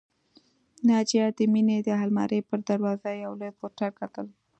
ناجیه د مينې د آلمارۍ پر دروازه یو لوی پوسټر کتل